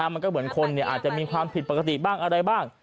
มันก็เหมือนคนอาจจะมีความผิดปกติบ้างอะไรบ้าง